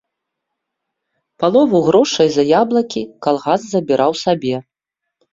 Палову грошай за яблыкі калгас забіраў сабе.